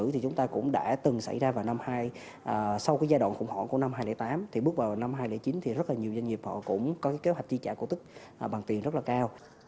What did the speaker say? thì bước vào năm hai nghìn chín thì rất là nhiều doanh nghiệp họ cũng có kế hoạch chi trả cổ tức bằng tiền rất là cao